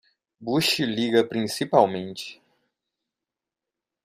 Bush liga principalmente.